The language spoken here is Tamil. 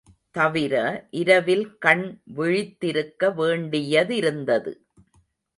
தவிர, இரவில் கண் விழித்திருக்க வேண்டியதிருந்தது.